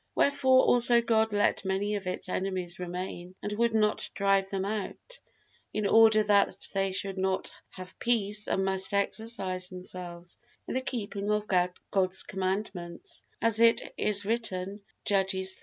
Wherefore also God let many of its enemies remain and would not drive them out, in order that they should not have peace and must exercise themselves in the keeping of God's commandments, as it is written, Judges iii.